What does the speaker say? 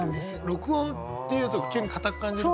「録音」っていうと急に硬く感じるけど。